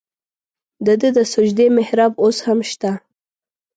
د ده د سجدې محراب اوس هم شته.